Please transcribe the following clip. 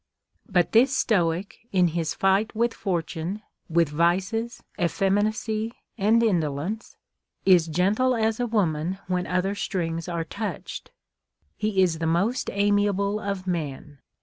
But this Stoic in his fight with Fortune, with vices, effeminacy, and indolence, is gentle as a woman when other strings are touched. He is the most amiable of men.